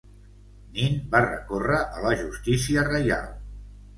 Nin va recórrer a la justícia reial.